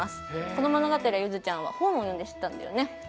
この物語をゆずちゃんは本を読んで知ったんだよね。